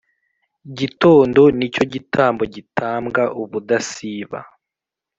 Gitondo ni cyo gitambo gitambwa ubudasiba